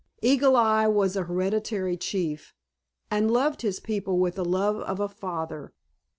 Eagle Eye was a hereditary chief, and loved his people with the love of a father.